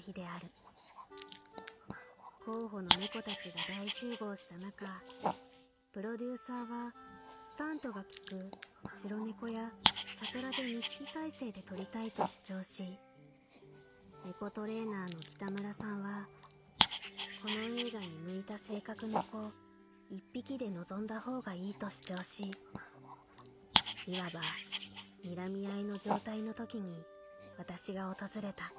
候補の猫たちが大集合した中プロデューサーはスタントが利く白猫や茶トラで二匹態勢で撮りたいと主張し猫トレーナーの北村さんはこの映画に向いた性格の子一匹で臨んだほうがいいと主張しいわば睨み合いの状態のときに私が訪れた」。